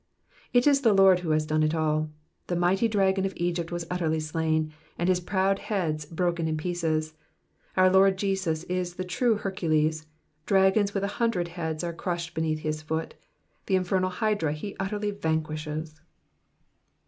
'*'' It is the Lord who has done it all. The mighty dragon of Egypt was utterly slain, and his proud heads broken in pieces. Our Lord Jesus is the true Hercules, dragons with a hundred heads are crushed beneath his foot : the infernal hydra he utterly vanquishes.